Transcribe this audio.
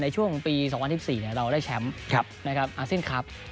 ในช่วงปี๒๐๑๔เราได้แชมป์อาเซียนครับ